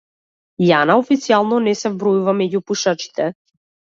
Јања официјално не се вбројува меѓу пушачите.